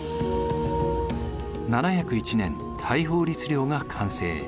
７０１年大宝律令が完成。